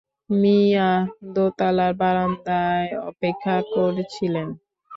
মিয়া দোতলার বারান্দায় অপেক্ষা করছিলেন।